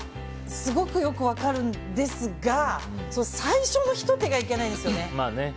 すごくよく分かるんですが最初の一手がいけないんですよね。